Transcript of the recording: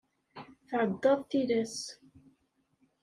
Tɛeddaḍ tilas.